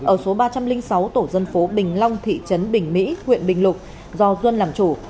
ở số ba trăm linh sáu tổ dân phố bình long thị trấn bình mỹ huyện bình lục do duân làm chủ